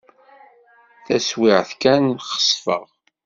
Taswiɛt kan, xesfeɣ.